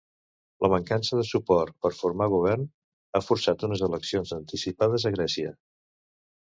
La mancança de suport per formar govern ha forçat unes eleccions anticipades a Grècia.